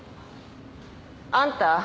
あんた